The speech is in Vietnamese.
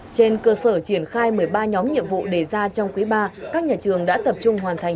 trên cơ sở triển khai một mươi ba nhóm nhiệm vụ đề ra trong quý ba các nhà trường đã tập trung hoàn thành